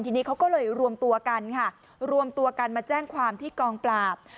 ทีนี้เขาก็เลยรวมตัวกันค่ะรวมตัวกันมาแจ้งความที่กองปราบ